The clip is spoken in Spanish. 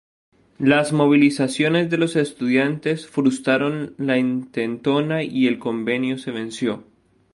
Las movilizaciones de los estudiantes frustraron la intentona y el convenio se venció.